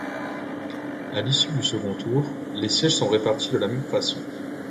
À l’issue du second tour, les sièges sont répartis de la même façon.